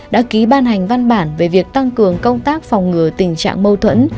đã ký ban hành văn bản về việc tăng cường công tác phòng ngừa tình trạng mâu thuẫn